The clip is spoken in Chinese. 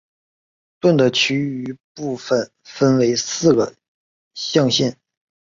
盾的其余部分分为四个象限。